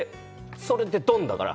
「それでドンっだから」